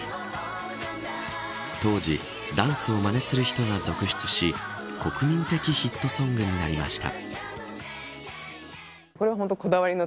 当時ダンスをまねする人が続出し国民的ヒットソングになりました。